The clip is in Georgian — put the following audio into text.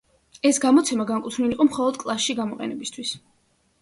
ეს გამოცემა განკუთვნილი იყო მხოლოდ კლასში გამოყენებისთვის.